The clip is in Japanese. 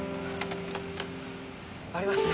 ありました。